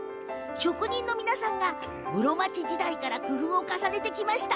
職人の皆さんが室町時代から工夫を重ねてきました。